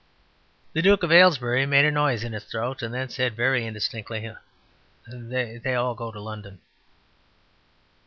The Duke of Aylesbury made a noise in his throat, and then said very indistinctly: "They all go to London."